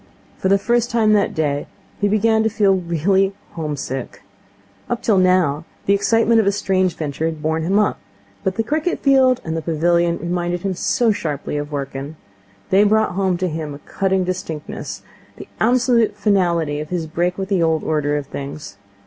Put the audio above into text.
For the first time that day he began to feel really home sick. Up till now the excitement of a strange venture had borne him up; but the cricket field and the pavilion reminded him so sharply of Wrykyn. They brought home to him with a cutting distinctness, the absolute finality of his break with the old order of things.